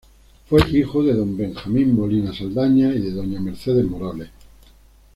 Fue hijo de Don Benjamín Molina Saldaña y de Doña Mercedes Morales.